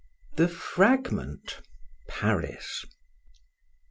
THE FRAGMENT. PARIS.